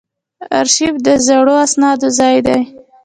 ارشیف د زړو اسنادو ځای دی